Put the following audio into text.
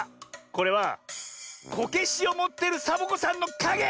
これはこけしをもってるサボ子さんのかげ！